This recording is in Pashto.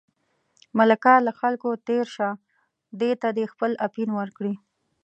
ملکه له خلکو تېر شه، دې ته دې خپل اپین ورکړي.